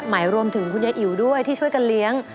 หมายรวมถึงคุณยายอิ๋วด้วยที่ช่วยกันเลี้ยง